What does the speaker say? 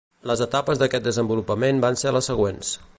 Les etapes d’aquest desenvolupament van ser les següents.